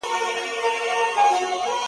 دوی به م زمونږشانې ټوله شپه ستوري شمارل